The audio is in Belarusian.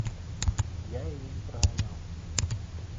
Я яе не праганяў.